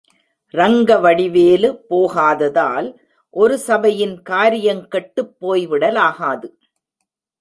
ரங்கவடி வேலு போகாததால் ஒரு சபையின் காரியங் கெட்டுப்போய் விடலாகாது.